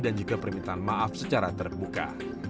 juga permintaan maaf secara terbuka